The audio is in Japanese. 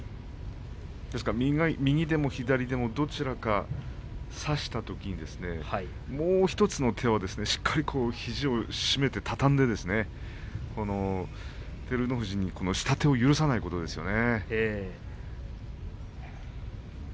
ですから右でも左でもどちらか差したときにもう１つの手はしっかりと肘を締めて畳んで照ノ富士に下手を許さないことですよね。